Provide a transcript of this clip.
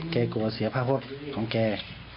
แกกลัวเสียภาพของแก